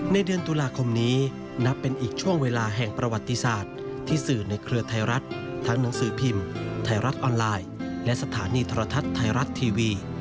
เดือนตุลาคมนี้นับเป็นอีกช่วงเวลาแห่งประวัติศาสตร์ที่สื่อในเครือไทยรัฐทั้งหนังสือพิมพ์ไทยรัฐออนไลน์และสถานีโทรทัศน์ไทยรัฐทีวี